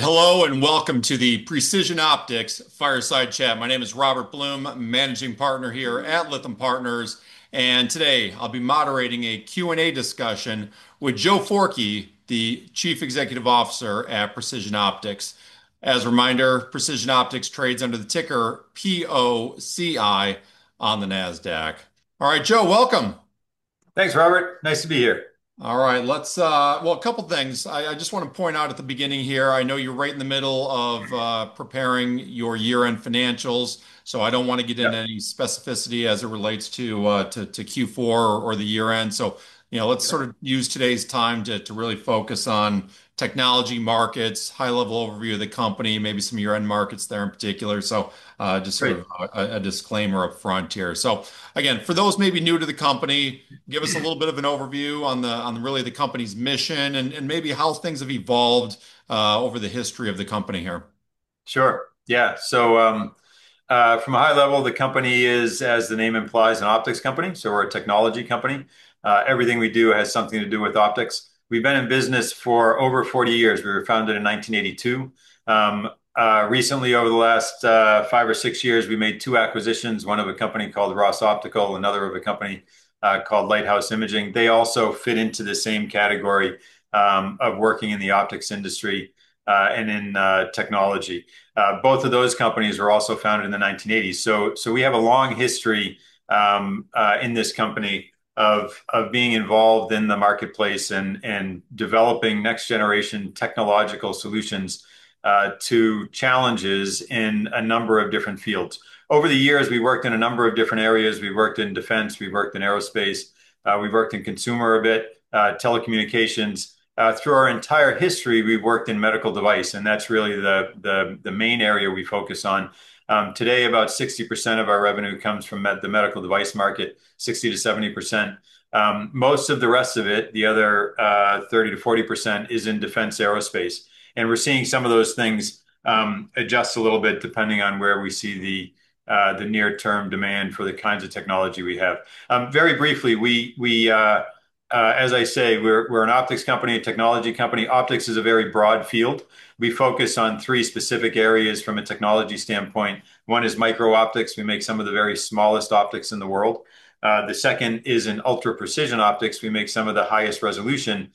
All right. Hello and welcome to the Precision Optics Fireside Chat. My name is Robert Blum, Managing Partner here at Lytham Partners. Today I'll be moderating a Q&A discussion with Joe Forkey, the Chief Executive Officer at Precision Optics. As a reminder, Precision Optics trades under the ticker POCI on the Nasdaq. All right, Joe, welcome. Thanks, Robert. Nice to be here. All right, a couple of things I just want to point out at the beginning here. I know you're right in the middle of preparing your year-end financials, so I don't want to get into any specificity as it relates to Q4 or the year-end. Let's use today's time to really focus on technology markets, high-level overview of the company, maybe some year-end markets there in particular. Just a disclaimer up front here. Again, for those maybe new to the company, give us a little bit of an overview on the company's mission and maybe how things have evolved over the history of the company here. Sure. Yeah. From a high level, the company is, as the name implies, an optics company. We're a technology company. Everything we do has something to do with optics. We've been in business for over 40 years. We were founded in 1982. Recently, over the last five or six years, we made two acquisitions, one of a company called Ross Optical, another of a company called Lighthouse Imaging. They also fit into the same category of working in the optics industry and in technology. Both of those companies were also founded in the 1980s. We have a long history in this company of being involved in the marketplace and developing next-generation technological solutions to challenges in a number of different fields. Over the years, we worked in a number of different areas. We worked in defense, we worked in aerospace, we worked in consumer a bit, telecommunications. Through our entire history, we've worked in medical device, and that's really the main area we focus on. Today, about 60% of our revenue comes from the medical device market, 60%-70%. Most of the rest of it, the other 30%-40%, is in defense aerospace. We're seeing some of those things adjust a little bit depending on where we see the near-term demand for the kinds of technology we have. Very briefly, as I say, we're an optics company, a technology company. Optics is a very broad field. We focus on three specific areas from a technology standpoint. One is micro-optics. We make some of the very smallest optics in the world. The second is in ultra-precision optics. We make some of the highest resolution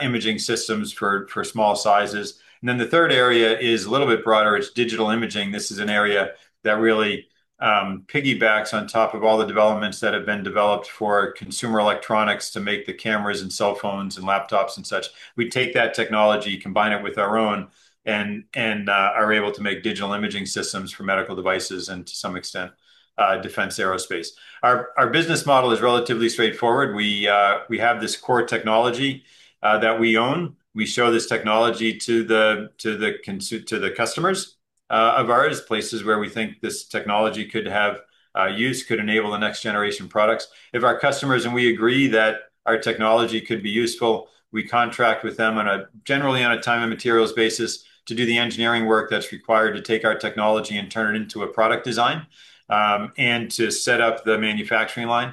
imaging systems for small sizes. The third area is a little bit broader. It's digital imaging. This is an area that really piggybacks on top of all the developments that have been developed for consumer electronics to make the cameras and cell phones and laptops and such. We take that technology, combine it with our own, and are able to make digital imaging systems for medical devices and to some extent, defense aerospace. Our business model is relatively straightforward. We have this core technology that we own. We show this technology to the customers of ours, places where we think this technology could have use, could enable the next generation products. If our customers and we agree that our technology could be useful, we contract with them generally on a time and materials basis to do the engineering work that's required to take our technology and turn it into a product design, and to set up the manufacturing line.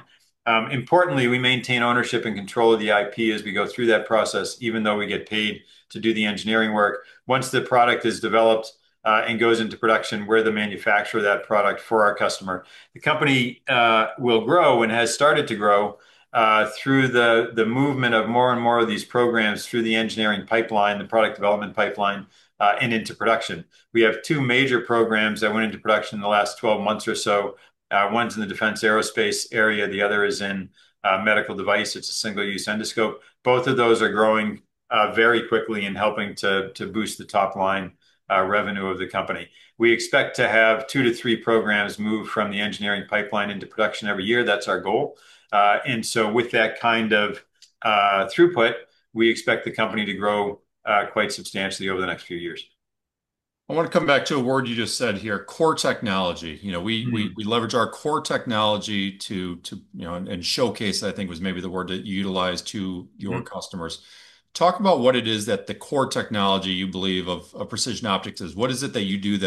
Importantly, we maintain ownership and control of the IP as we go through that process, even though we get paid to do the engineering work. Once the product is developed and goes into production, we're the manufacturer of that product for our customer. The company will grow and has started to grow through the movement of more and more of these programs through the engineering pipeline, the product development pipeline, and into production. We have two major programs that went into production in the last 12 months or so. One's in the defense aerospace area. The other is in medical device. It's a single-use endoscope. Both of those are growing very quickly and helping to boost the top line revenue of the company. We expect to have two to three programs move from the engineering pipeline into production every year. That's our goal, and with that kind of throughput, we expect the company to grow quite substantially over the next few years. I want to come back to a word you just said here, core technology. You know, we leverage our core technology to showcase, I think was maybe the word that you utilized to your customers. Talk about what it is that the core technology you believe of Precision Optics is. What is it that you do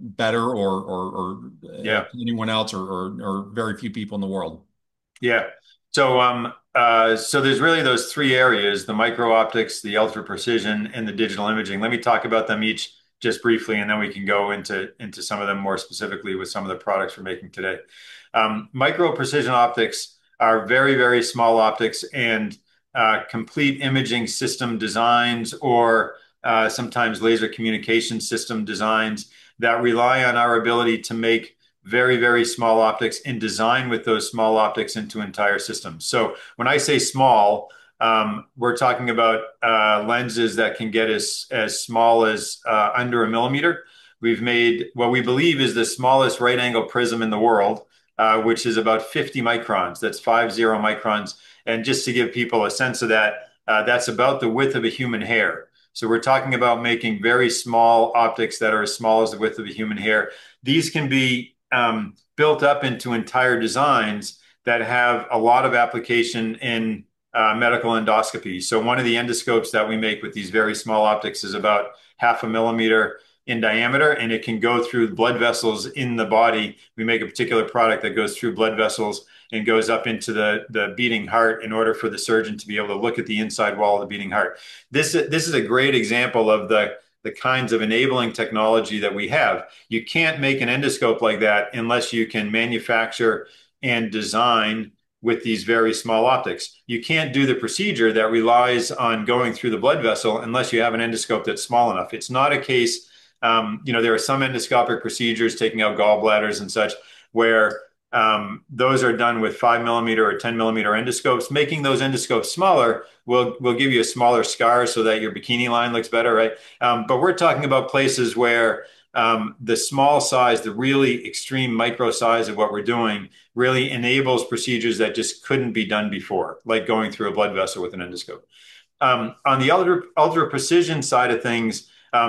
better or, yeah, anyone else or very few people in the world? Yeah. There's really those three areas: the micro-optics, the ultra precision, and the digital imaging. Let me talk about them each just briefly, and then we can go into some of them more specifically with some of the products we're making today. Micro Precision Optics are very, very small optics and complete imaging system designs or sometimes laser communication system designs that rely on our ability to make very, very small optics and design with those small optics into entire systems. When I say small, we're talking about lenses that can get as small as under a millimeter. We've made what we believe is the smallest right-angle prism in the world, which is about 50 µm. That's 50 µm. Just to give people a sense of that, that's about the width of a human hair. We're talking about making very small optics that are as small as the width of a human hair. These can be built up into entire designs that have a lot of application in medical endoscopy. One of the endoscopes that we make with these very small optics is about half a millimeter in diameter, and it can go through blood vessels in the body. We make a particular product that goes through blood vessels and goes up into the beating heart in order for the surgeon to be able to look at the inside wall of the beating heart. This is a great example of the kinds of enabling technology that we have. You can't make an endoscope like that unless you can manufacture and design with these very small optics. You can't do the procedure that relies on going through the blood vessel unless you have an endoscope that's small enough. There are some endoscopic procedures taking out gallbladders and such where those are done with five millimeter or ten millimeter endoscopes. Making those endoscopes smaller will give you a smaller scar so that your bikini line looks better, right? We're talking about places where the small size, the really extreme micro size of what we're doing, really enables procedures that just couldn't be done before, like going through a blood vessel with an endoscope. On the ultra-precision side of things,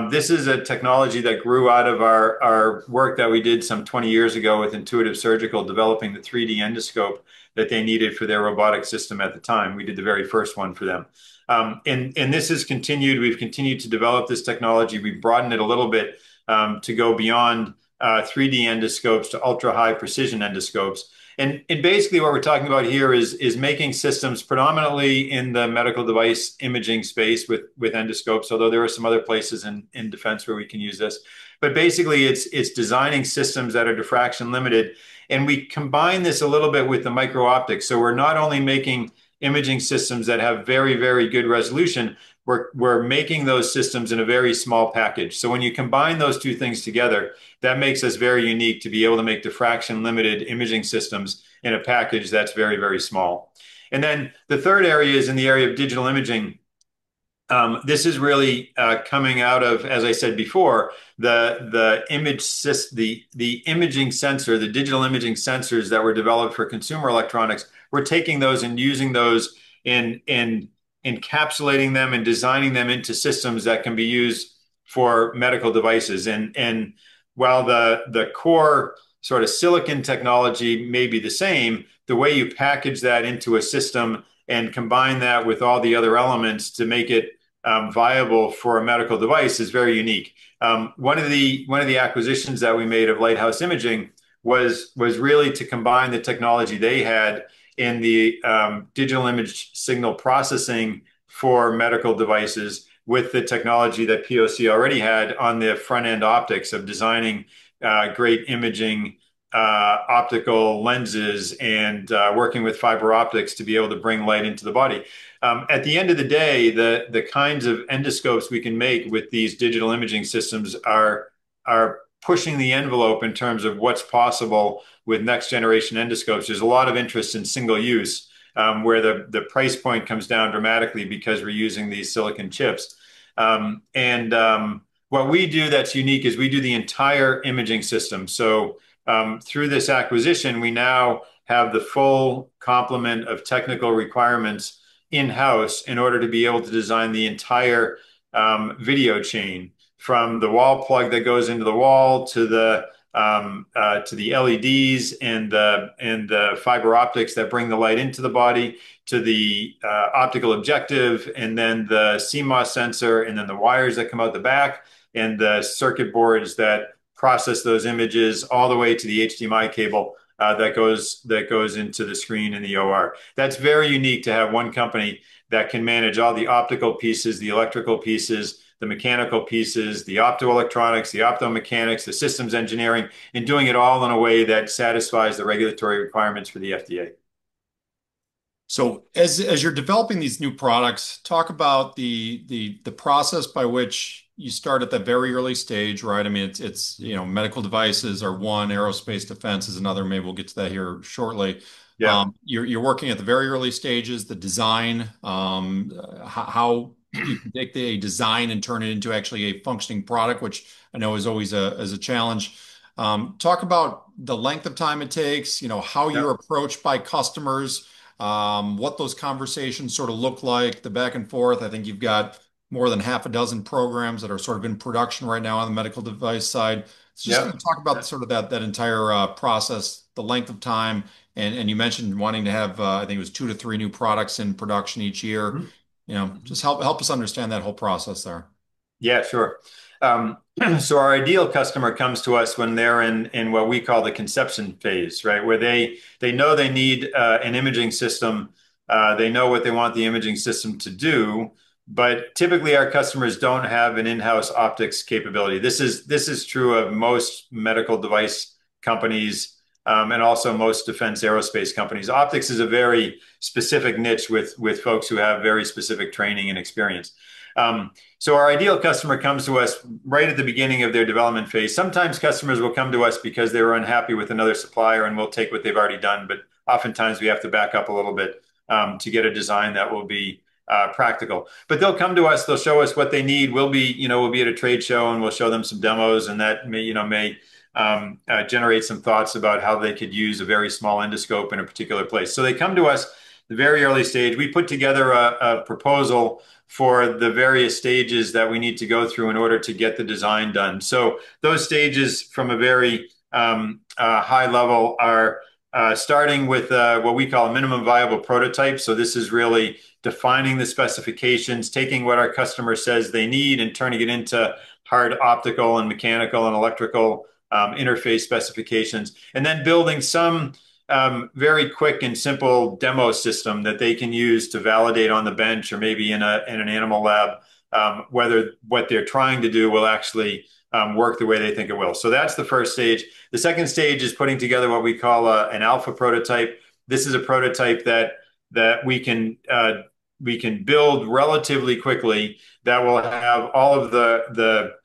this is a technology that grew out of our work that we did some 20 years ago with Intuitive Surgical developing the 3D endoscope that they needed for their robotic system at the time. We did the very first one for them. This has continued. We've continued to develop this technology. We've broadened it a little bit to go beyond 3D endoscopes to ultra-high precision endoscopes. Basically, what we're talking about here is making systems predominantly in the medical device imaging space with endoscopes, although there are some other places in defense where we can use this. Basically, it's designing systems that are diffraction-limited. We combine this a little bit with the micro-optics, so we're not only making imaging systems that have very, very good resolution, we're making those systems in a very small package. When you combine those two things together, that makes us very unique to be able to make diffraction limited imaging systems in a package that's very, very small. The third area is in the area of digital imaging. This is really coming out of, as I said before, the imaging sensor, the digital imaging sensors that were developed for consumer electronics. We're taking those and using those and encapsulating them and designing them into systems that can be used for medical devices. While the core sort of silicon technology may be the same, the way you package that into a system and combine that with all the other elements to make it viable for a medical device is very unique. One of the acquisitions that we made of Lighthouse Imaging was really to combine the technology they had in the digital image signal processing for medical devices with the technology that POC already had on the front-end optics of designing great imaging optical lenses and working with fiber optics to be able to bring light into the body. At the end of the day, the kinds of endoscopes we can make with these digital imaging systems are pushing the envelope in terms of what's possible with next-generation endoscopes. There's a lot of interest in single-use, where the price point comes down dramatically because we're using these silicon chips. What we do that's unique is we do the entire imaging system. Through this acquisition, we now have the full complement of technical requirements in-house in order to be able to design the entire video chain from the wall plug that goes into the wall to the LEDs and the fiber optics that bring the light into the body to the optical objective and then the CMOS sensor and then the wires that come out the back and the circuit boards that process those images all the way to the HDMI cable that goes into the screen in the OR. It's very unique to have one company that can manage all the optical pieces, the electrical pieces, the mechanical pieces, the optoelectronics, the optomechanics, the systems engineering, and doing it all in a way that satisfies the regulatory requirements for the FDA. As you're developing these new products, talk about the process by which you start at the very early stage, right? I mean, it's, you know, medical devices are one, aerospace defense is another. Maybe we'll get to that here shortly. You're working at the very early stages, the design, how do you make the design and turn it into actually a functioning product, which I know is always a challenge. Talk about the length of time it takes, how you're approached by customers, what those conversations sort of look like, the back and forth. I think you've got more than half a dozen programs that are sort of in production right now on the medical device side. Talk about that entire process, the length of time. You mentioned wanting to have, I think it was two to three new products in production each year. Help us understand that whole process there. Yeah, sure. Our ideal customer comes to us when they're in what we call the conception phase, right? Where they know they need an imaging system, they know what they want the imaging system to do. Typically, our customers don't have an in-house optics capability. This is true of most medical device companies, and also most defense aerospace companies. Optics is a very specific niche with folks who have very specific training and experience. Our ideal customer comes to us right at the beginning of their development phase. Sometimes customers will come to us because they were unhappy with another supplier, and we'll take what they've already done. Oftentimes, we have to back up a little bit to get a design that will be practical. They'll come to us, they'll show us what they need. We'll be at a trade show, and we'll show them some demos, and that may generate some thoughts about how they could use a very small endoscope in a particular place. They come to us at the very early stage. We put together a proposal for the various stages that we need to go through in order to get the design done. Those stages from a very high level are, starting with what we call a minimum viable prototype. This is really defining the specifications, taking what our customer says they need and turning it into hard optical and mechanical and electrical interface specifications, and then building some very quick and simple demo system that they can use to validate on the bench or maybe in an animal lab, whether what they're trying to do will actually work the way they think it will. That's the first stage. The second stage is putting together what we call an alpha prototype. This is a prototype that we can build relatively quickly that will have all of the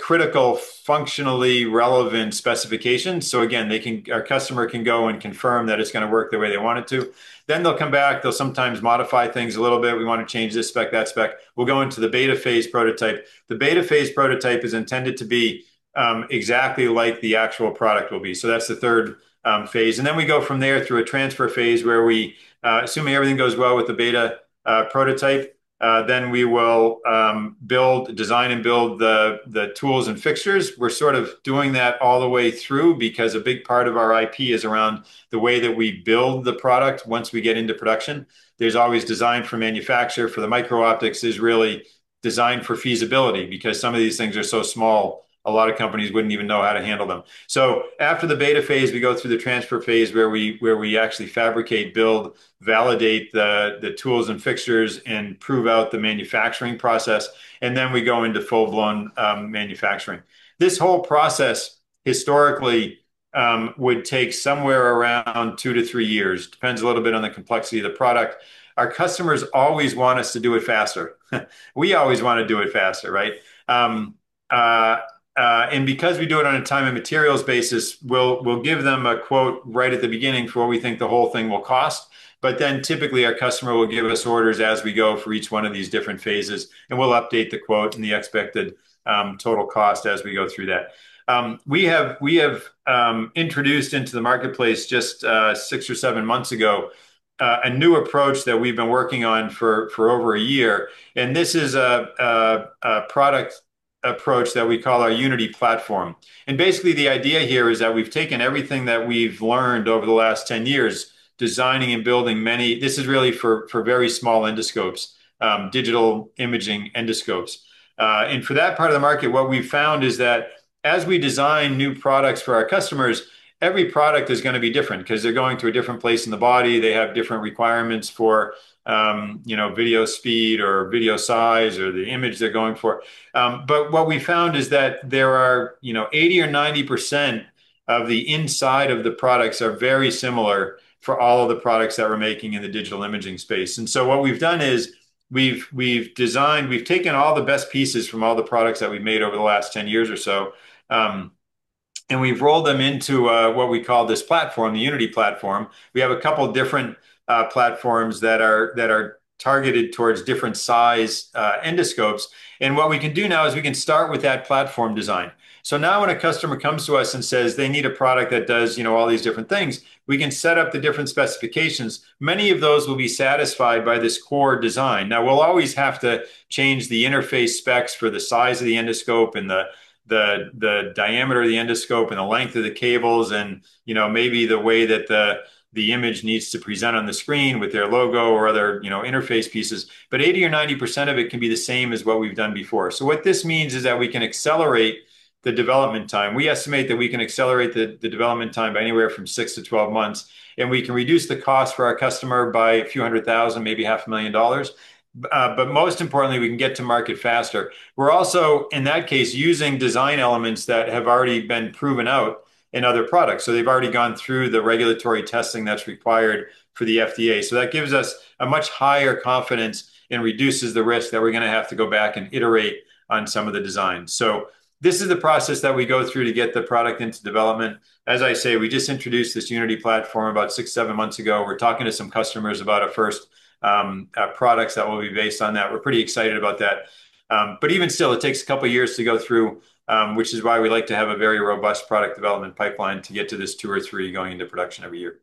critical functionally relevant specifications. Again, our customer can go and confirm that it's going to work the way they want it to. They'll come back, they'll sometimes modify things a little bit. We want to change this spec, that spec. We go into the beta phase prototype. The beta phase prototype is intended to be exactly like the actual product will be. That's the third phase. We go from there through a transfer phase where we, assuming everything goes well with the beta prototype, then we will design and build the tools and fixtures. We're sort of doing that all the way through because a big part of our IP is around the way that we build the product. Once we get into production, there's always design for manufacturer. For the micro-optics, it's really designed for feasibility because some of these things are so small, a lot of companies wouldn't even know how to handle them. After the beta phase, we go through the transfer phase where we actually fabricate, build, validate the tools and fixtures, and prove out the manufacturing process. We go into full-blown manufacturing. This whole process historically would take somewhere around two to three years. It depends a little bit on the complexity of the product. Our customers always want us to do it faster. We always want to do it faster, right? Because we do it on a time and materials basis, we'll give them a quote right at the beginning for what we think the whole thing will cost. Typically, our customer will give us orders as we go for each one of these different phases, and we'll update the quote and the expected total cost as we go through that. We have introduced into the marketplace just six or seven months ago a new approach that we've been working on for over a year. This is a product approach that we call our Unity imaging platform. Basically, the idea here is that we've taken everything that we've learned over the last 10 years, designing and building many. This is really for very small endoscopes, digital imaging endoscopes. For that part of the market, what we've found is that as we design new products for our customers, every product is going to be different because they're going to a different place in the body. They have different requirements for, you know, video speed or video size or the image they're going for. What we found is that there are 80% or 90% of the inside of the products that are very similar for all of the products that we're making in the digital imaging space. What we've done is we've designed, we've taken all the best pieces from all the products that we've made over the last 10 years or so, and we've rolled them into what we call this platform, the Unity imaging platform. We have a couple different platforms that are targeted towards different size endoscopes. What we can do now is we can start with that platform design. Now when a customer comes to us and says they need a product that does, you know, all these different things, we can set up the different specifications. Many of those will be satisfied by this core design. We'll always have to change the interface specs for the size of the endoscope and the diameter of the endoscope and the length of the cables and, you know, maybe the way that the image needs to present on the screen with their logo or other, you know, interface pieces. 80% or 90% of it can be the same as what we've done before. What this means is that we can accelerate the development time. We estimate that we can accelerate the development time by anywhere from six months to 12 months, and we can reduce the cost for our customer by a few hundred thousand, maybe $500,000. Most importantly, we can get to market faster. We're also, in that case, using design elements that have already been proven out in other products. They've already gone through the regulatory testing that's required for the FDA. That gives us a much higher confidence and reduces the risk that we're going to have to go back and iterate on some of the designs. This is the process that we go through to get the product into development. As I say, we just introduced this Unity imaging platform about six, seven months ago. We're talking to some customers about our first products that will be based on that. We're pretty excited about that. Even still, it takes a couple of years to go through, which is why we like to have a very robust product development pipeline to get to this two or three going into production every year.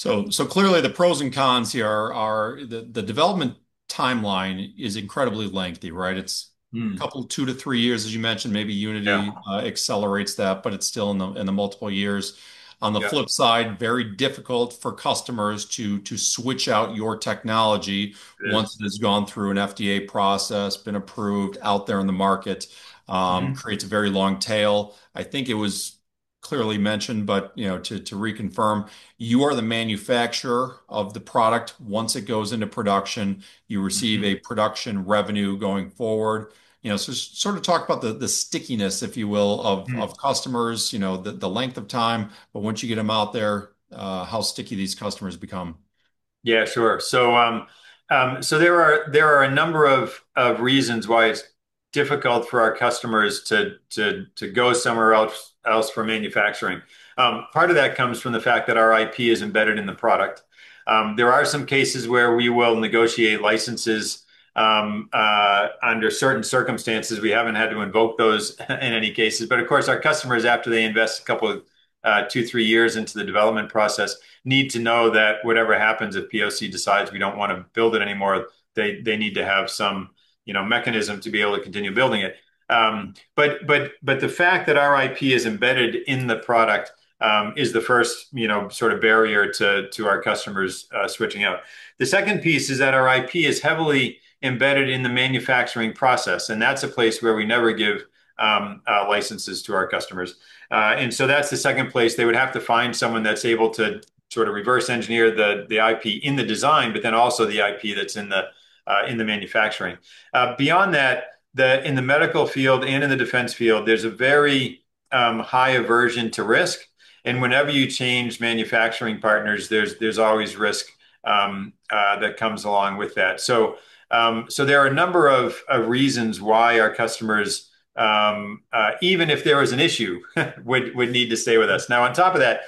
Clearly, the pros and cons here are the development timeline is incredibly lengthy, right? It's a couple, two to three years, as you mentioned. Maybe Unity accelerates that, but it's still in the multiple years. On the flip side, very difficult for customers to switch out your technology once it has gone through an FDA process, been approved, out there on the market. It creates a very long tail. I think it was clearly mentioned, but, you know, to reconfirm, you are the manufacturer of the product. Once it goes into production, you receive a production revenue going forward. Sort of talk about the stickiness, if you will, of customers, you know, the length of time. Once you get them out there, how sticky these customers become? Yeah, sure. There are a number of reasons why it's difficult for our customers to go somewhere else for manufacturing. Part of that comes from the fact that our IP is embedded in the product. There are some cases where we will negotiate licenses under certain circumstances; we haven't had to invoke those in any cases. Of course, our customers, after they invest a couple of, two, three years into the development process, need to know that whatever happens, if POC decides we don't want to build it anymore, they need to have some mechanism to be able to continue building it. The fact that our IP is embedded in the product is the first sort of barrier to our customers switching out. The second piece is that our IP is heavily embedded in the manufacturing process, and that's a place where we never give licenses to our customers. That's the second place. They would have to find someone that's able to sort of reverse engineer the IP in the design, but then also the IP that's in the manufacturing. Beyond that, in the medical field and in the defense field, there's a very high aversion to risk. Whenever you change manufacturing partners, there's always risk that comes along with that. There are a number of reasons why our customers, even if there was an issue, would need to stay with us. On top of that,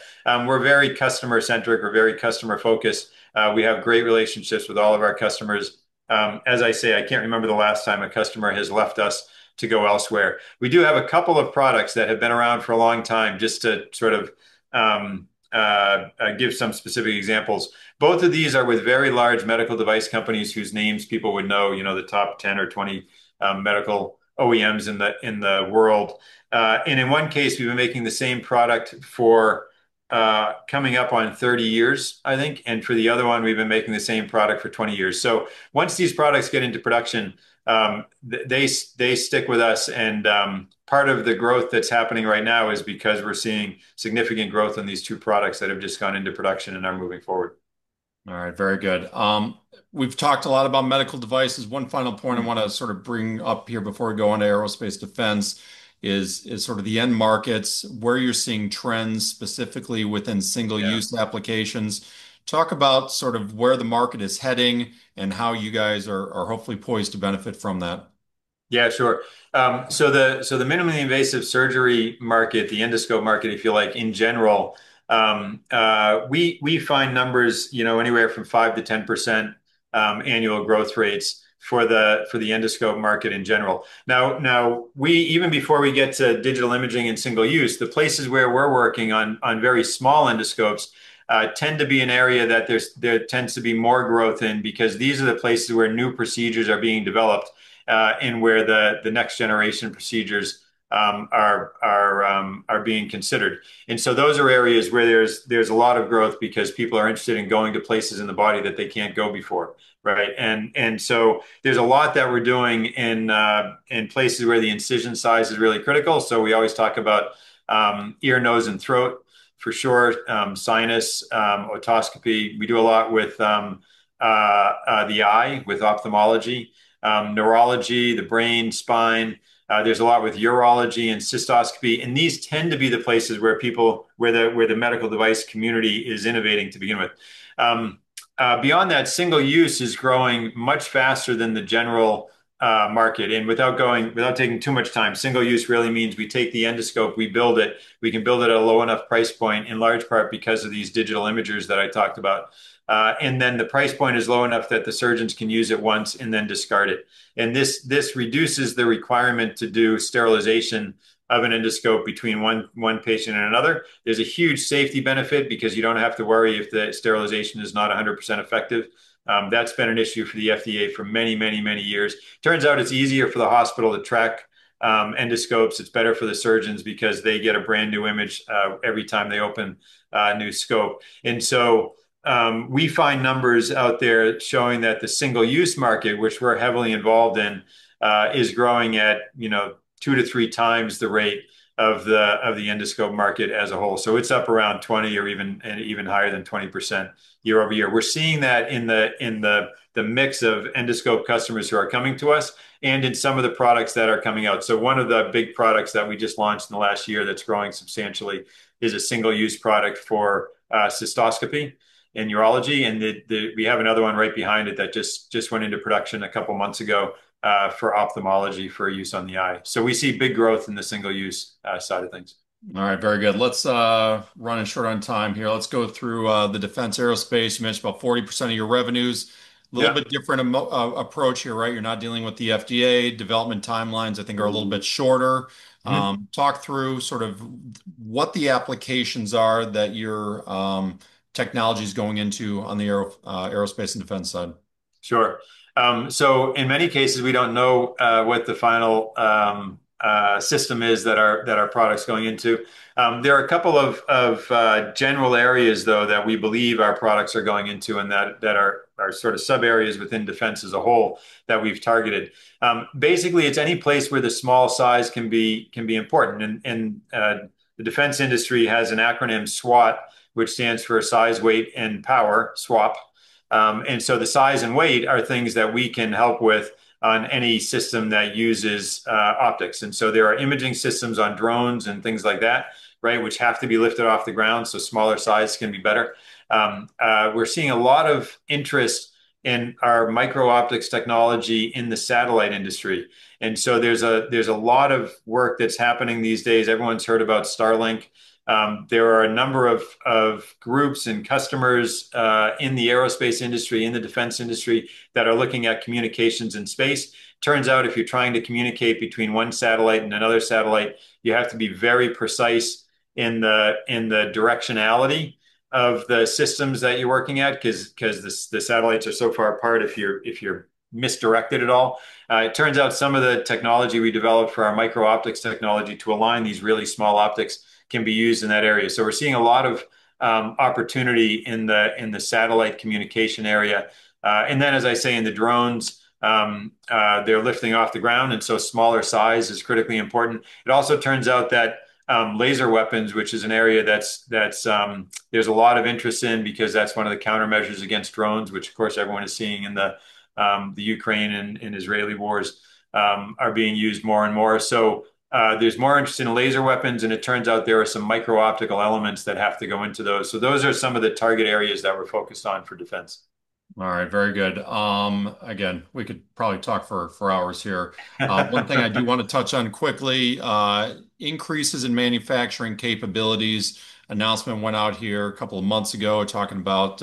we're very customer-centric. We're very customer-focused. We have great relationships with all of our customers. As I say, I can't remember the last time a customer has left us to go elsewhere. We do have a couple of products that have been around for a long time, just to sort of give some specific examples. Both of these are with very large medical device companies whose names people would know, the top 10 or 20 medical OEMs in the world. In one case, we've been making the same product for, coming up on 30 years, I think. For the other one, we've been making the same product for 20 years. Once these products get into production, they stick with us. Part of the growth that's happening right now is because we're seeing significant growth in these two products that have just gone into production and are moving forward. All right, very good. We've talked a lot about medical devices. One final point I want to bring up here before we go on to aerospace defense is the end markets, where you're seeing trends specifically within single-use applications. Talk about where the market is heading and how you guys are hopefully poised to benefit from that. Yeah, sure. The minimally invasive surgery market, the endoscope market, if you like, in general, we find numbers anywhere from 5% to 10% annual growth rates for the endoscope market in general. Even before we get to digital imaging and single-use, the places where we're working on very small endoscopes tend to be an area that tends to have more growth because these are the places where new procedures are being developed and where the next generation procedures are being considered. Those are areas where there's a lot of growth because people are interested in going to places in the body that they can't go before. There's a lot that we're doing in places where the incision size is really critical. We always talk about ear, nose, and throat for sure, sinus, otoscopy. We do a lot with the eye, with ophthalmology, neurology, the brain, spine. There's a lot with urology and cystoscopy. These tend to be the places where the medical device community is innovating to begin with. Beyond that, single-use is growing much faster than the general market. Without taking too much time, single-use really means we take the endoscope, we build it. We can build it at a low enough price point, in large part because of these digital imagers that I talked about, and then the price point is low enough that the surgeons can use it once and then discard it. This reduces the requirement to do sterilization of an endoscope between one patient and another. There's a huge safety benefit because you don't have to worry if the sterilization is not 100% effective. That's been an issue for the FDA for many, many years. It turns out it's easier for the hospital to track endoscopes. It's better for the surgeons because they get a brand new image every time they open a new scope. We find numbers out there showing that the single-use market, which we're heavily involved in, is growing at two to three times the rate of the endoscope market as a whole. It's up around 20% or even higher than 20% year-over-year. We're seeing that in the mix of endoscope customers who are coming to us and in some of the products that are coming out. One of the big products that we just launched in the last year that's growing substantially is a single-use product for cystoscopy and urology. We have another one right behind it that just went into production a couple of months ago for ophthalmology for use on the eye. We see big growth in the single-use side of things. All right, very good. Let's, running short on time here. Let's go through the defense aerospace. You mentioned about 40% of your revenues. A little bit different approach here, right? You're not dealing with the FDA. Development timelines, I think, are a little bit shorter. Talk through sort of what the applications are that your technology is going into on the aerospace and defense side. Sure. In many cases, we don't know what the final system is that our product's going into. There are a couple of general areas, though, that we believe our products are going into and that are sort of sub-areas within defense as a whole that we've targeted. Basically, it's any place where the small size can be important. The defense industry has an acronym, SWaP, which stands for size, weight, and power. The size and weight are things that we can help with on any system that uses optics. There are imaging systems on drones and things like that, which have to be lifted off the ground. Smaller size can be better. We're seeing a lot of interest in our micro-optics technology in the satellite industry. There's a lot of work that's happening these days. Everyone's heard about Starlink. There are a number of groups and customers in the aerospace industry and in the defense industry that are looking at communications in space. It turns out if you're trying to communicate between one satellite and another satellite, you have to be very precise in the directionality of the systems that you're working at because the satellites are so far apart if you're misdirected at all. Some of the technology we developed for our micro-optics technology to align these really small optics can be used in that area. We're seeing a lot of opportunity in the satellite communications area. In the drones, they're lifting off the ground, and smaller size is critically important. It also turns out that laser weapon systems, which is an area that there's a lot of interest in because that's one of the countermeasures against drones, which everyone is seeing in the Ukraine and Israeli wars, are being used more and more. There's more interest in laser weapon systems, and it turns out there are some micro-optical elements that have to go into those. Those are some of the target areas that we're focused on for defense. All right, very good. We could probably talk for hours here. One thing I do want to touch on quickly is increases in manufacturing capabilities. Announcement went out here a couple of months ago talking about,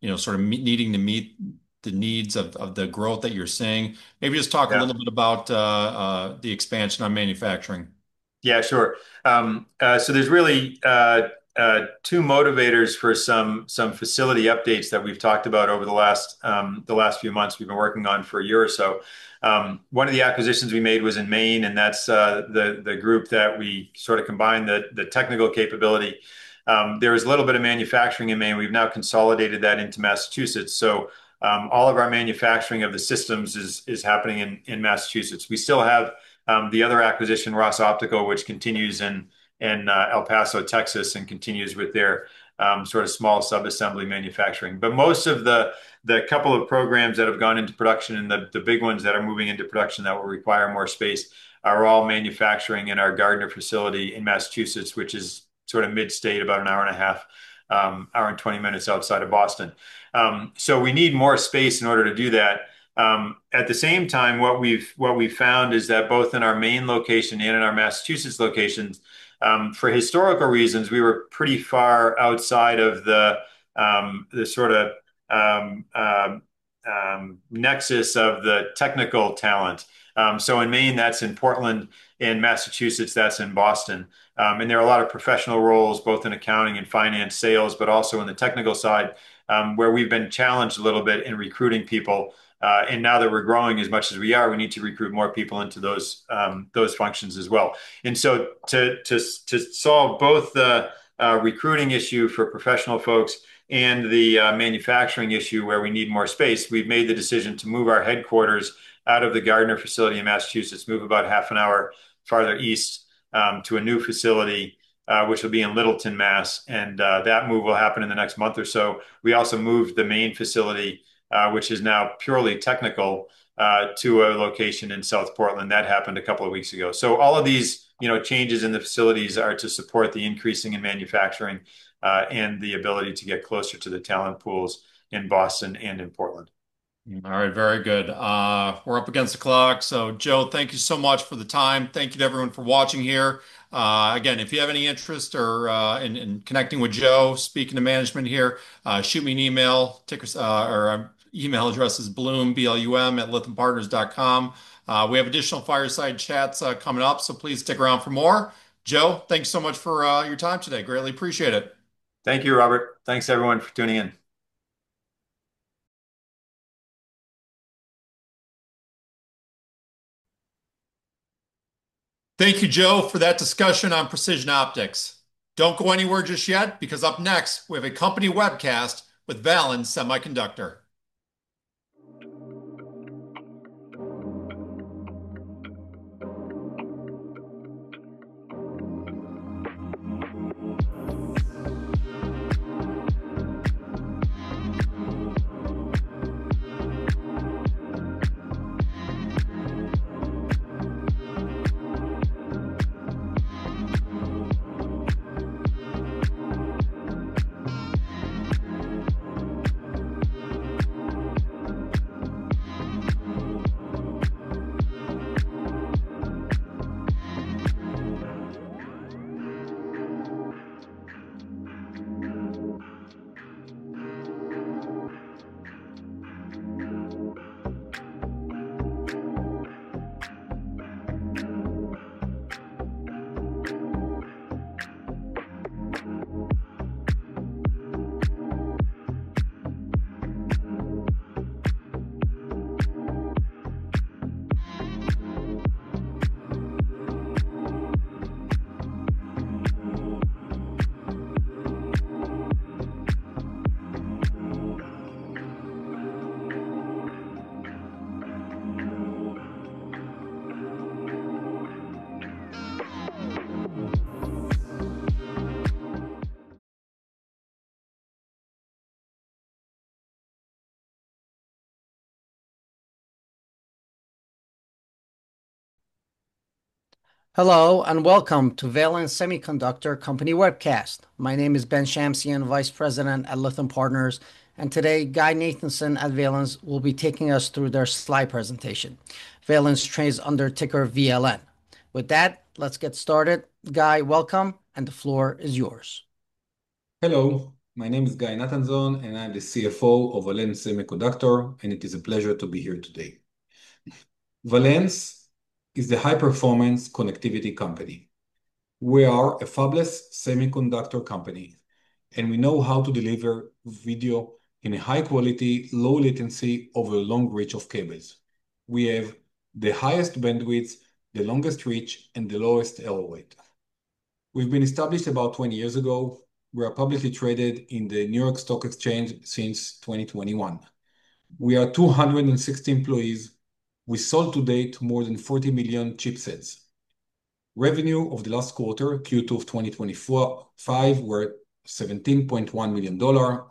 you know, sort of needing to meet the needs of the growth that you're seeing. Maybe just talk a little bit about the expansion on manufacturing. Yeah, sure. There are really two motivators for some facility updates that we've talked about over the last few months we've been working on for a year or so. One of the acquisitions we made was in Maine, and that's the group that we sort of combined the technical capability. There was a little bit of manufacturing in Maine. We've now consolidated that into Massachusetts. All of our manufacturing of the systems is happening in Massachusetts. We still have the other acquisition, Ross Optical, which continues in El Paso, Texas, and continues with their small subassembly manufacturing. Most of the couple of programs that have gone into production and the big ones that are moving into production that will require more space are all manufacturing in our Gardner facility in Massachusetts, which is sort of mid-state, about an hour and a half, hour and 20 minutes outside of Boston. We need more space in order to do that. At the same time, what we found is that both in our Maine location and in our Massachusetts locations, for historical reasons, we were pretty far outside of the nexus of the technical talent. In Maine, that's in Portland; in Massachusetts, that's in Boston. There are a lot of professional roles, both in accounting and finance, sales, but also in the technical side, where we've been challenged a little bit in recruiting people. Now that we're growing as much as we are, we need to recruit more people into those functions as well. To solve both the recruiting issue for professional folks and the manufacturing issue where we need more space, we've made the decision to move our headquarters out of the Gardner facility in Massachusetts, move about half an hour farther east, to a new facility, which will be in Littleton, Massachusetts. That move will happen in the next month or so. We also moved the Maine facility, which is now purely technical, to a location in South Portland. That happened a couple of weeks ago. All of these changes in the facilities are to support the increasing in manufacturing, and the ability to get closer to the talent pools in Boston and in Portland. All right, very good. We're up against the clock. Joe, thank you so much for the time. Thank you to everyone for watching here. Again, if you have any interest in connecting with Joe, speaking to management here, shoot me an email. Ticker or email address is blum@lythampartners.com. We have additional fireside chats coming up, so please stick around for more. Joe, thanks so much for your time today. Greatly appreciate it. Thank you, Robert. Thanks, everyone, for tuning in. Thank you, Joe, for that discussion on Precision Optics. Don't go anywhere just yet because up next, we have a company webcast with Valens Semiconductor. Hello and Welcome to Valens Semiconductor Company Webcast. My name is Ben Shamsian, Vice President at Lytham Partners. Today, Guy Nathanzon of Valens will be taking us through their slide presentation. Valens trades under ticker VLN. With that, let's get started. Guy, welcome, and the floor is yours. Hello, my name is Guy Nathanson and I'm the CFO of Valens Semiconductor, and it is a pleasure to be here today. Valens is a high-performance connectivity company. We are a fabless semiconductor company, and we know how to deliver video in high quality, low latency over a long reach of cables. We have the highest bandwidth, the longest reach, and the lowest L-weight. We've been established about 20 years ago. We are publicly traded on the Nasdaq since 2021. We are 260 employees. We sold to date more than 40 million chipsets. Revenue of the last quarter, Q2 of 2025, were $17.1 million.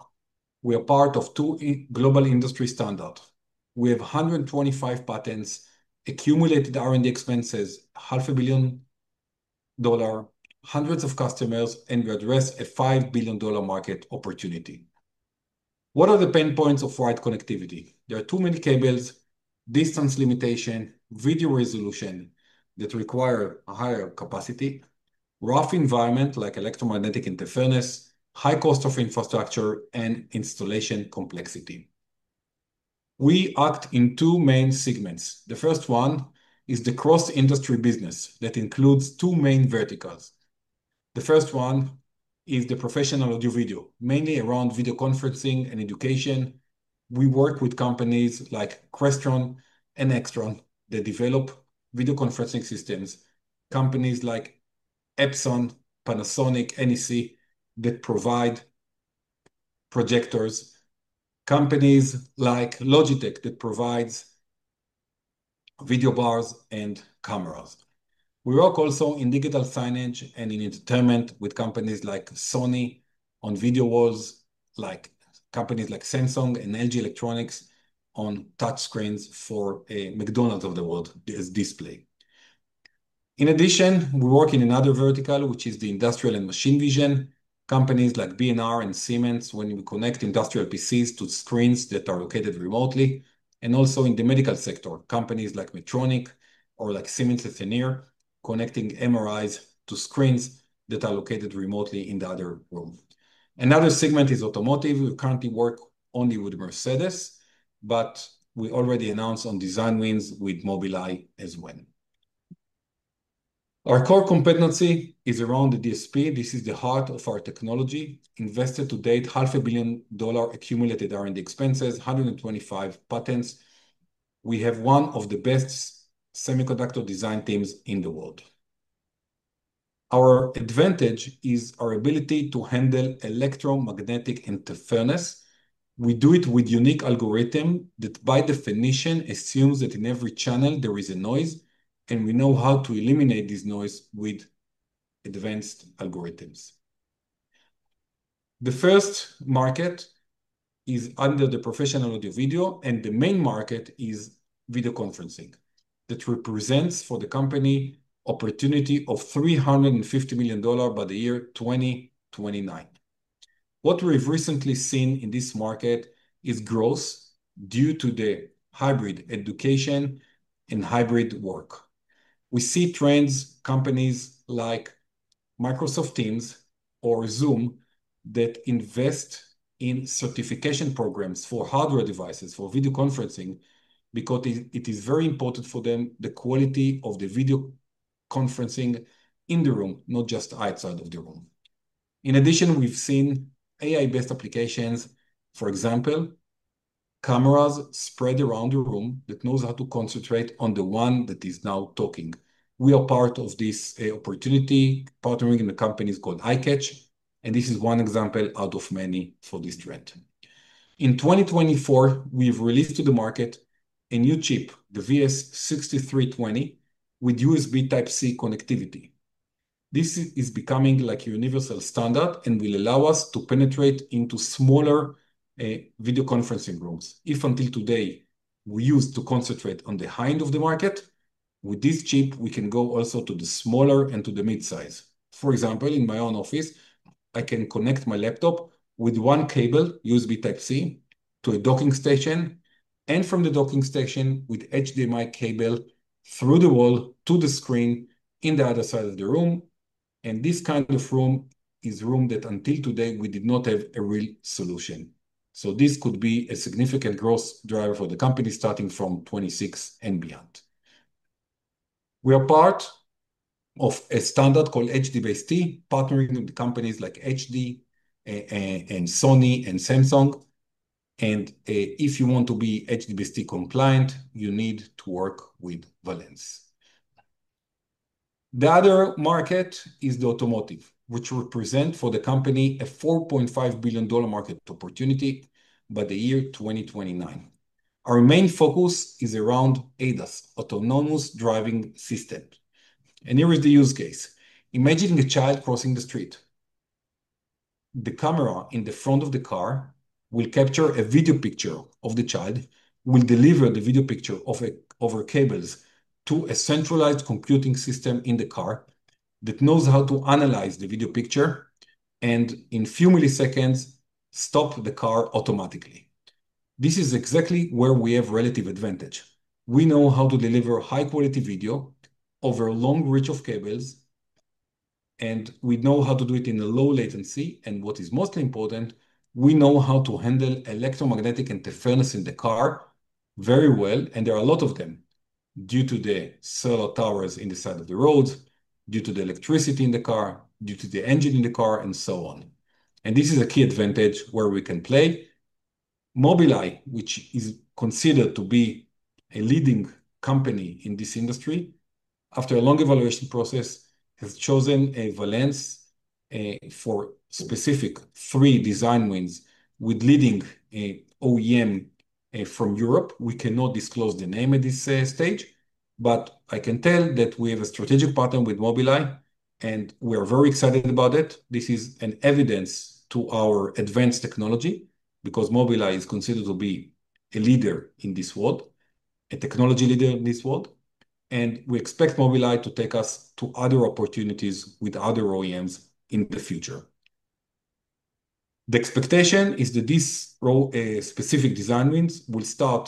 We are part of two global industry startups. We have 125 patents, accumulated R&D expenses, half a billion dollars, hundreds of customers, and we address a $5 billion market opportunity. What are the pain points of right connectivity? There are too many cables, distance limitation, video resolution that require a higher capacity, rough environment like electromagnetic interference, high cost of infrastructure, and installation complexity. We act in two main segments. The first one is the cross-industry business that includes two main verticals. The first one is the professional audio-video, mainly around video conferencing and education. We work with companies like Crestron and Extron that develop video conferencing systems, companies like Epson, Panasonic, NEC that provide projectors, companies like Logitech that provide video bars and cameras. We work also in digital signage and in entertainment with companies like Sony on video walls, like companies like Samsung and LG Electronics on touch screens for a McDonald's of the world display. In addition, we work in another vertical, which is the industrial and machine vision. Companies like B&R and Siemens when we connect industrial PCs to screens that are located remotely, and also in the medical sector, companies like Medtronic or like Siemens Healthineers connecting MRIs to screens that are located remotely in the other room. Another segment is automotive. We currently work only with Mercedes, but we already announced on design wins with Mobileye as well. Our core competency is around the DSP. This is the heart of our technology. Invested to date, $500 million accumulated R&D expenses, 125 patents. We have one of the best semiconductor design teams in the world. Our advantage is our ability to handle electromagnetic interference. We do it with a unique algorithm that by definition assumes that in every channel there is a noise, and we know how to eliminate this noise with advanced algorithms. The first market is under the professional audio video, and the main market is video conferencing that represents for the company an opportunity of $350 million by the year 2029. What we've recently seen in this market is growth due to the hybrid education and hybrid work. We see trends in companies like Microsoft Teams or Zoom that invest in certification programs for hardware devices for video conferencing because it is very important for them the quality of the video conferencing in the room, not just outside of the room. In addition, we've seen AI-based applications, for example, cameras spread around the room that know how to concentrate on the one that is now talking. We are part of this opportunity, partnering in a company called iCatch, and this is one example out of many for this trend. In 2024, we've released to the market a new chip, the VS6320, with USB Type-C connectivity. This is becoming like a universal standard and will allow us to penetrate into smaller video conferencing rooms. If until today we used to concentrate on the high end of the market, with this chip, we can go also to the smaller and to the mid-size. For example, in my own office, I can connect my laptop with one cable, USB Type-C, to a docking station, and from the docking station with HDMI cable through the wall to the screen in the other side of the room. This kind of room is a room that until today we did not have a real solution. This could be a significant growth driver for the company starting from 2026 and beyond. We are part of a standard called HDBaseT, partnering with companies like HD and Sony and Samsung. If you want to be HDBaseT compliant, you need to work with Valens. The other market is the automotive, which will present for the company a $4.5 billion market opportunity by the year 2029. Our main focus is around ADAS, Autonomous Driving System. Here is the use case. Imagine a child crossing the street. The camera in the front of the car will capture a video picture of the child, will deliver the video picture of our cables to a centralized computing system in the car that knows how to analyze the video picture and in a few milliseconds stop the car automatically. This is exactly where we have relative advantage. We know how to deliver high-quality video over a long reach of cables, and we know how to do it in a low latency. What is most important, we know how to handle electromagnetic interference in the car very well. There are a lot of them due to the solar towers on the side of the roads, due to the electricity in the car, due to the engine in the car, and so on. This is a key advantage where we can play. Mobileye, which is considered to be a leading company in this industry, after a long evaluation process, has chosen Valens for specific three design wins with leading OEM from Europe. We cannot disclose the name at this stage, but I can tell that we have a strategic partner with Mobileye and we are very excited about it. This is evidence of our advanced technology because Mobileye is considered to be a leader in this world, a technology leader in this world. We expect Mobileye to take us to other opportunities with other OEMs in the future. The expectation is that these specific design wins will start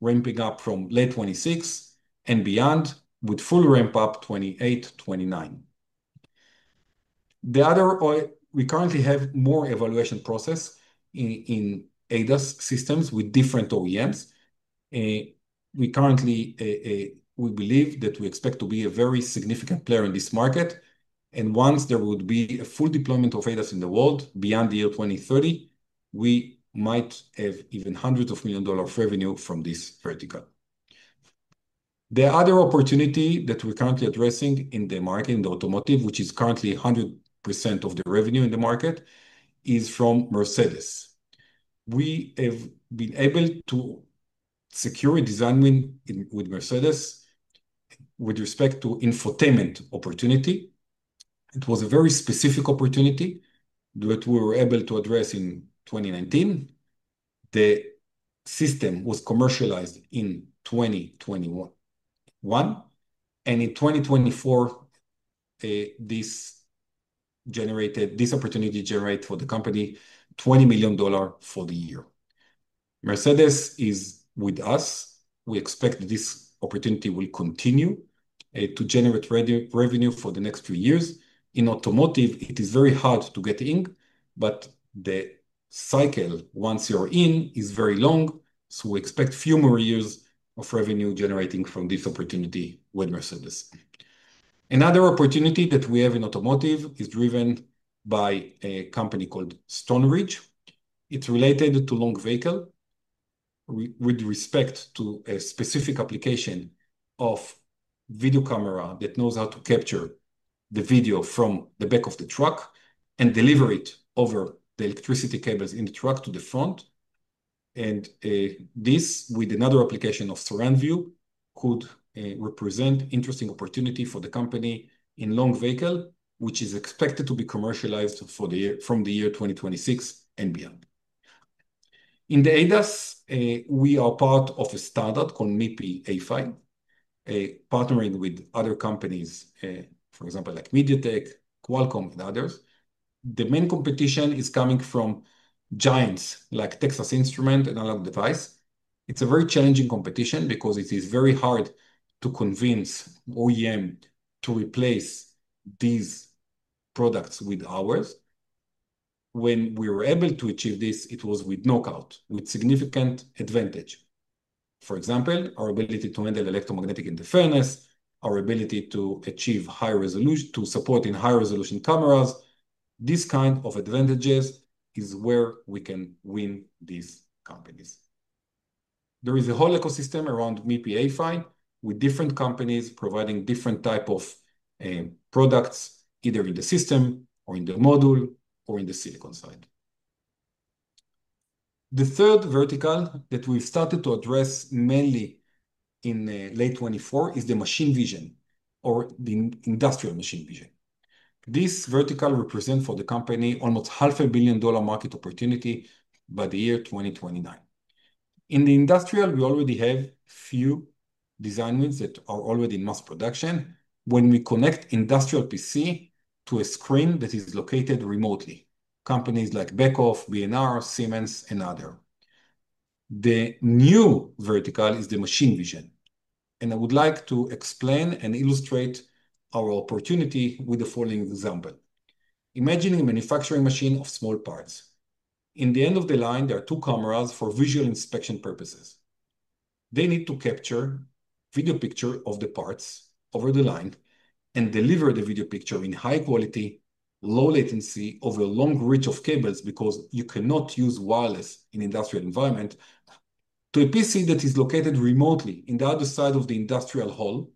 ramping up from late 2026 and beyond, with full ramp-up in 2028, 2029. We currently have a more evaluation process in ADAS systems with different OEMs. We currently believe that we expect to be a very significant player in this market. Once there would be a full deployment of ADAS in the world beyond the year 2030, we might have even hundreds of millions of revenue from this vertical. The other opportunity that we're currently addressing in the market, in the automotive, which is currently 100% of the revenue in the market, is from Mercedes. We have been able to secure a design win with Mercedes with respect to infotainment opportunity. It was a very specific opportunity that we were able to address in 2019. The system was commercialized in 2021. In 2024, this opportunity generated for the company $20 million for the year. Mercedes is with us. We expect this opportunity will continue to generate revenue for the next few years. In automotive, it is very hard to get in, but the cycle once you're in is very long. We expect a few more years of revenue generating from this opportunity with Mercedes. Another opportunity that we have in automotive is driven by a company called Stoneridge. It's related to long vehicles with respect to a specific application of video camera that knows how to capture the video from the back of the truck and deliver it over the electricity cables in the truck to the front. This with another application of Surround View could represent an interesting opportunity for the company in long vehicles, which is expected to be commercialized from the year 2026 and beyond. In the ADAS, we are part of a standard called MIPI A-PHY, partnering with other companies, for example, like MediaTek, Qualcomm, and others. The main competition is coming from giants like Texas Instruments and Analog Devices. It is a very challenging competition because it is very hard to convince OEMs to replace these products with ours. When we were able to achieve this, it was with knockout, with significant advantage. For example, our ability to handle electromagnetic interference, our ability to achieve high resolution, to support in high-resolution cameras. These kinds of advantages are where we can win these companies. There is a whole ecosystem around MIPI A-PHY with different companies providing different types of products, either in the system or in the module or in the silicon side. The third vertical that we've started to address mainly in late 2024 is the machine vision or the industrial machine vision. This vertical represents for the company almost $500 million market opportunity by the year 2029. In the industrial, we already have a few design wins that are already in mass production when we connect an industrial PC to a screen that is located remotely. Companies like Beckhoff, B&R, Siemens, and others. The new vertical is the machine vision. I would like to explain and illustrate our opportunity with the following example. Imagine a manufacturing machine of small parts. At the end of the line, there are two cameras for visual inspection purposes. They need to capture a video picture of the parts over the line and deliver the video picture in high quality, low latency over a long reach of cables because you cannot use wireless in an industrial environment to a PC that is located remotely on the other side of the industrial hall.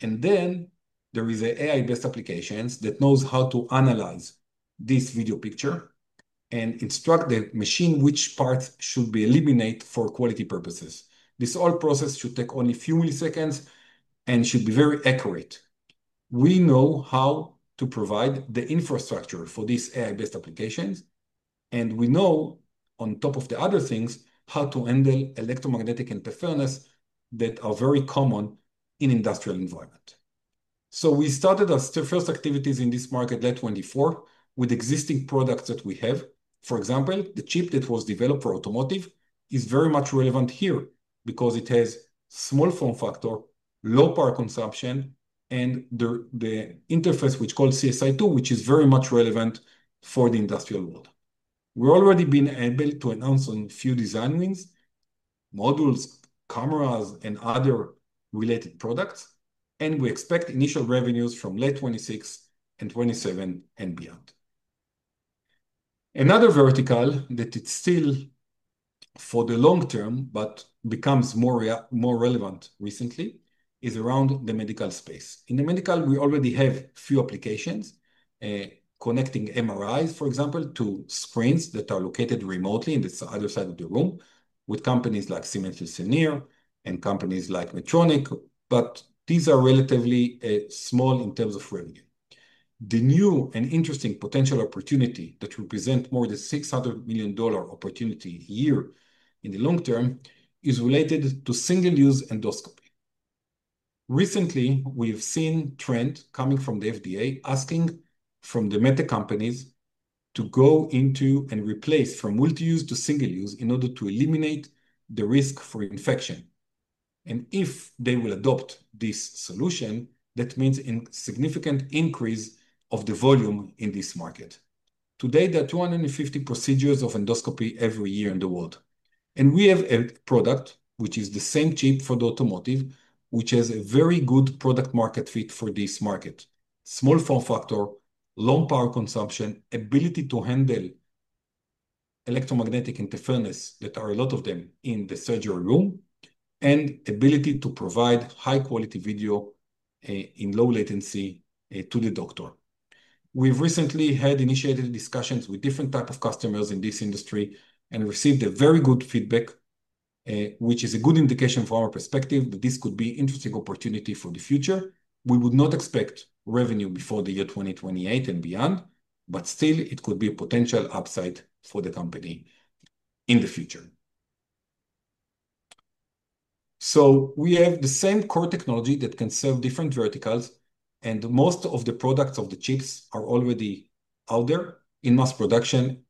There are AI-based applications that know how to analyze this video picture and instruct the machine which parts should be eliminated for quality purposes. This whole process should take only a few milliseconds and should be very accurate. We know how to provide the infrastructure for these AI-based applications, and we know, on top of the other things, how to handle electromagnetic interference that is very common in an industrial environment. We started our first activities in this market late 2024 with existing products that we have. For example, the chip that was developed for automotive is very much relevant here because it has a small form factor, low power consumption, and the interface, which is called CSI-2, which is very much relevant for the industrial world. We've already been able to announce on a few design wins, modules, cameras, and other related products, and we expect initial revenues from late 2026 and 2027 and beyond. Another vertical that is still for the long term, but becomes more relevant recently, is around the medical space. In the medical, we already have a few applications, connecting MRIs, for example, to screens that are located remotely on the other side of the room with companies like Siemens Senior and companies like Medtronic, but these are relatively small in terms of revenue. The new and interesting potential opportunity that will present more than $600 million opportunity in a year in the long term is related to single-use endoscopy. Recently, we've seen a trend coming from the FDA asking for the medical companies to go into and replace from multi-use to single-use in order to eliminate the risk for infection. If they will adopt this solution, that means a significant increase of the volume in this market. Today, there are 250 procedures of endoscopy every year in the world. We have a product which is the same chip for the automotive, which has a very good product-market fit for this market: small form factor, low power consumption, ability to handle electromagnetic interference, that are a lot of them in the surgery room, and the ability to provide high-quality video in low latency to the doctor. We've recently had initiated discussions with different types of customers in this industry and received very good feedback, which is a good indication from our perspective that this could be an interesting opportunity for the future. We would not expect revenue before the year 2028 and beyond, but still, it could be a potential upside for the company in the future. We have the same core technology that can serve different verticals, and most of the products of the chips are already out there in mass production.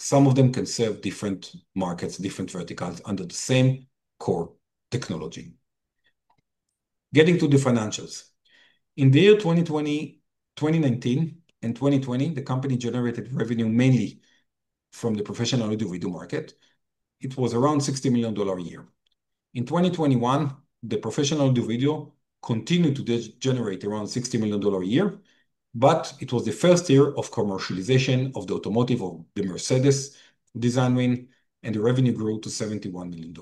Some of them can serve different markets, different verticals under the same core technology. Getting to the financials. In the year 2020, 2019, and 2020, the company generated revenue mainly from the professional audio video market. It was around $60 million a year. In 2021, the professional audio video continued to generate around $60 million a year, but it was the first year of commercialization of the automotive of the Mercedes design win, and the revenue grew to $71 million.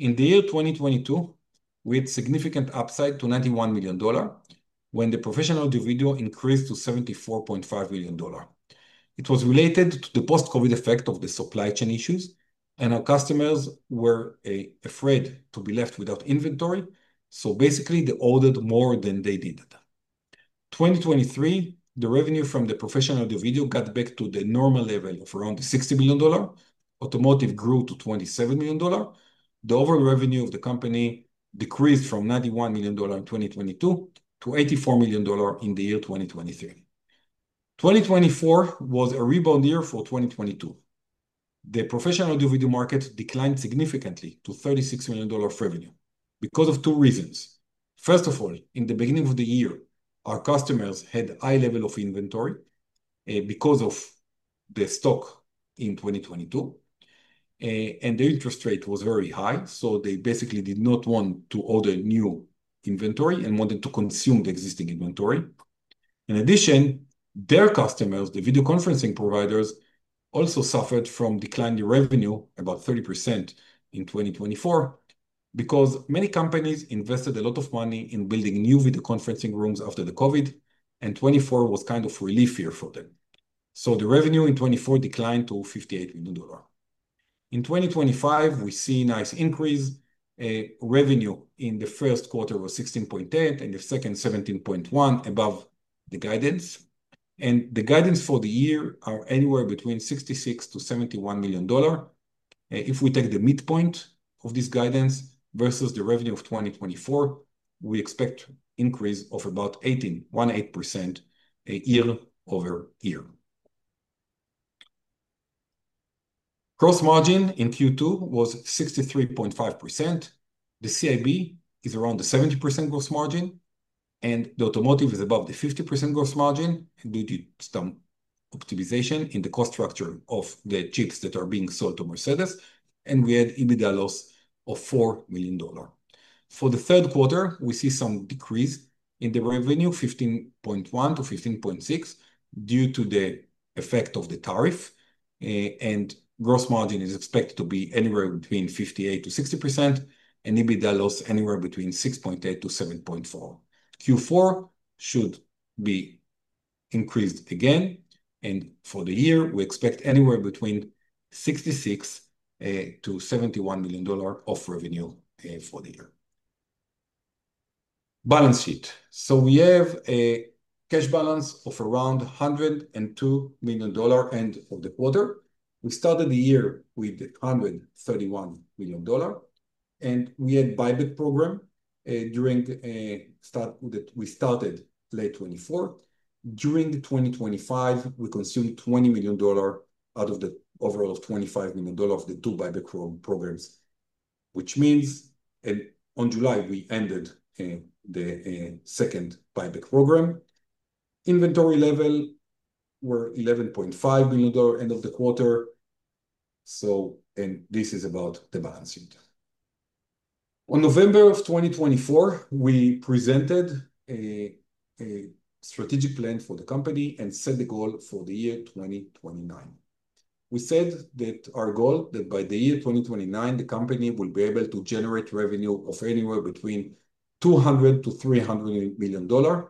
In the year 2022, we had a significant upside to $91 million when the professional audio video increased to $74.5 million. It was related to the post-COVID effect of the supply chain issues, and our customers were afraid to be left without inventory. Basically, they ordered more than they needed. In 2023, the revenue from the professional audio video got back to the normal level of around $60 million. Automotive grew to $27 million. The overall revenue of the company decreased from $91 million in 2022 to $84 million in the year 2023. 2024 was a rebound year for 2022. The professional audio-video market declined significantly to $36 million revenue because of two reasons. First of all, in the beginning of the year, our customers had a high level of inventory because of the stock in 2022, and the interest rate was very high. They basically did not want to order new inventory and wanted to consume the existing inventory. In addition, their customers, the video conferencing providers, also suffered from declining revenue about 30% in 2024 because many companies invested a lot of money in building new video conferencing rooms after the COVID, and 2024 was kind of a relief year for them. The revenue in 2024 declined to $58 million. In 2025, we see a nice increase. Revenue in the first quarter was $16.10 million and the second $17.1 million above the guidance. The guidance for the year is anywhere between $66 million-$71 million. If we take the midpoint of this guidance versus the revenue of 2024, we expect an increase of about 18% year-over-year. Gross margin in Q2 was 63.5%. The CIB is around the 70% gross margin, and the automotive is above the 50% gross margin due to some optimization in the cost structure of the chips that are being sold to Mercedes. We had an EBITDA loss of $4 million. For the third quarter, we see some decrease in the revenue, $15.1 million-$15.6 million due to the effect of the tariff. Gross margin is expected to be anywhere between 58%-60%, and EBITDA loss anywhere between $6.8 million-$7.4 million. Q4 should be increased again. For the year, we expect anywhere between $66 million-$71 million of revenue for the year. Balance sheet. We have a cash balance of around $102 million end of the quarter. We started the year with $131 million. We had a buyback program during the start that we started late 2024. During 2025, we consumed $20 million out of the overall $25 million of the two buyback programs, which means in July, we ended the second buyback program. Inventory level was $11.5 million at the end of the quarter. This is about the balance sheet. In November 2024, we presented a strategic plan for the company and set the goal for the year 2029. We said that our goal is that by the year 2029, the company will be able to generate revenue of anywhere between $200 million-$300 million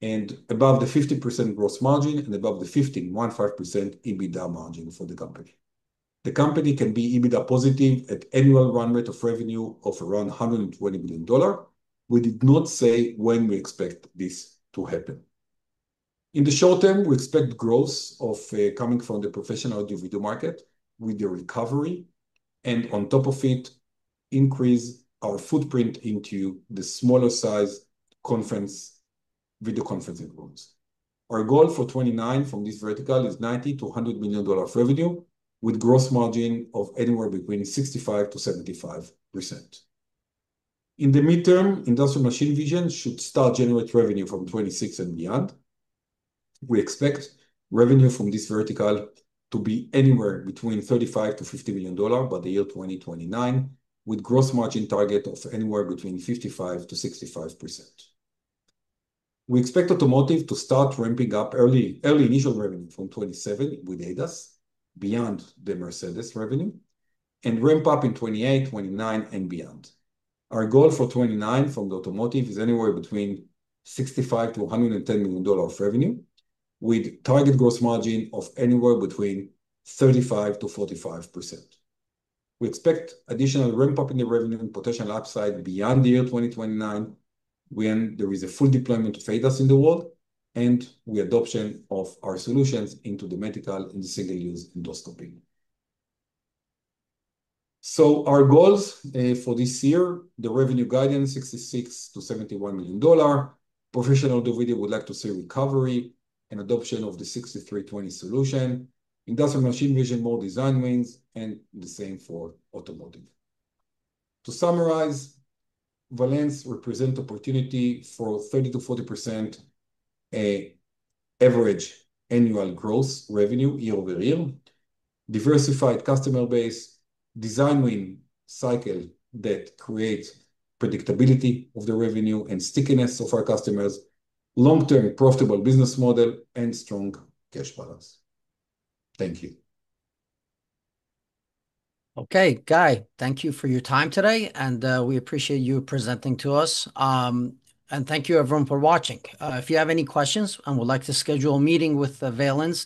and above the 50% gross margin and above the 15% EBITDA margin for the company. The company can be EBITDA positive at an annual run rate of revenue of around $120 million. We did not say when we expect this to happen. In the short term, we expect growth coming from the professional audio video market with the recovery and, on top of it, increase our footprint into the smaller size video conferencing rooms. Our goal for 2029 from this vertical is $90 million-$100 million revenue with a gross margin of anywhere between 65%-75%. In the midterm, industrial machine vision should start to generate revenue from 2026 and beyond. We expect revenue from this vertical to be anywhere between $35 million-$50 million by the year 2029, with a gross margin target of anywhere between 55%-65%. We expect automotive to start ramping up early initial revenue from 2027 with ADAS beyond the Mercedes revenue and ramp up in 2028, 2029, and beyond. Our goal for 2029 from automotive is anywhere between $65 million-$110 million revenue with a target gross margin of anywhere between 35%-45%. We expect additional ramp-up in the revenue and potential upside beyond the year 2029 when there is a full deployment of ADAS in the world and the adoption of our solutions into the medical and single-use endoscopy. Our goals for this year, the revenue guidance, $66 million-$71 million. Professional audio video would like to see recovery and adoption of the VS6320 solution, industrial machine vision, more design wins, and the same for automotive. To summarize, Valen represents opportunity for 30%-40% average annual gross revenue year-over-year, diversified customer base, design win cycle that creates predictability of the revenue and stickiness of our customers, long-term profitable business model, and strong cash balance. Thank you. Okay, Guy, thank you for your time today, and we appreciate you presenting to us. Thank you, everyone, for watching. If you have any questions and would like to schedusle a meeting with Valen,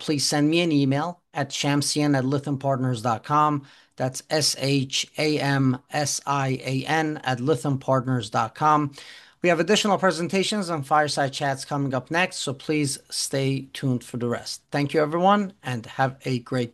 please send me an email at shamsian@lythampartners.com. That's S-H-A-M-S-I-A-N @lythampartners.com. We have additional presentations and fireside chats coming up next, so please stay tuned for the rest. Thank you, everyone, and have a great.